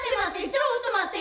ちょっと待って！